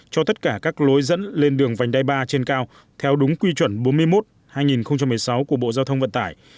cho tất cả các lối dẫn lên đường vành đai ba trên cao theo đúng quy chuẩn bốn mươi một hai nghìn một mươi sáu của bộ giao thông vận tải